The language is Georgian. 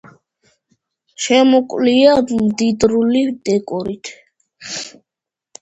შემკულია მდიდრული დეკორით.